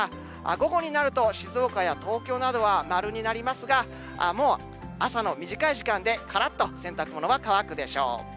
午後になると、静岡や東京などは丸になりますが、もう朝の短い時間でからっと洗濯物は乾くでしょう。